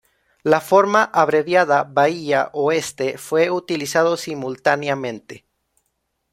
La forma abreviada Bahía Oeste fue utilizado simultáneamente.